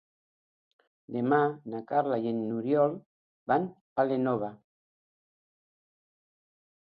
Demà na Carla i n'Oriol van a l'Énova.